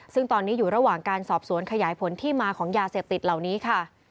ซึ่งตอนนี้อยู่ระหว่างการสอบสวนขยายผลที่มาของยาเสพติดเหล่านี้ค่ะ